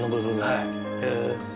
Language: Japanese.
はい。